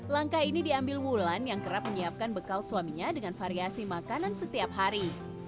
langkah ini diambil wulan yang kerap menyiapkan bekal suaminya dengan variasi makanan setiap hari